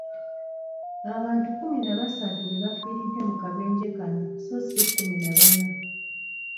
Abantu kumi na basatu be bafiiridde mu kabenje kano sso si kumi na bana.